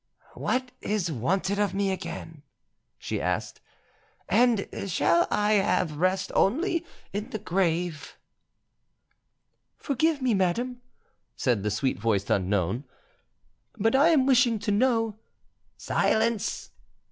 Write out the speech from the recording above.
"What is wanted of me again?" she asked, "and shall I have rest only in the grave?" "Forgive me, madame," said the sweet voiced unknown, "but I am wishing to know——" "Silence!"